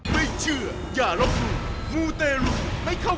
ผู้หญิงหมดเลยค่ะ